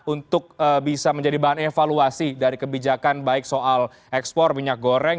untuk bisa menjadi bahan evaluasi dari kebijakan baik soal ekspor minyak goreng